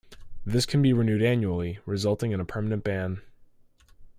This can be renewed annually, resulting in a permanent ban.